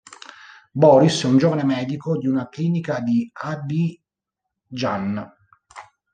Boris è un giovane medico di una clinica di Abidjan.